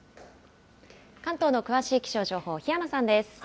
関東の詳しい気象情報、檜山さんです。